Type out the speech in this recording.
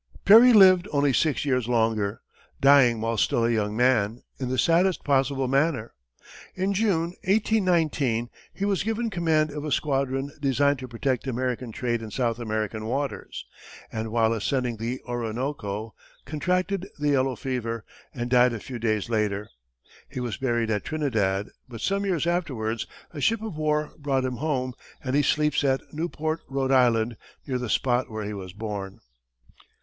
Perry lived only six years longer, dying while still a young man, in the saddest possible manner. In June, 1819, he was given command of a squadron designed to protect American trade in South American waters, and while ascending the Orinoco, contracted the yellow fever, and died a few days later. He was buried at Trinidad, but some years afterwards, a ship of war brought him home, and he sleeps at Newport, Rhode Island, near the spot where he was born.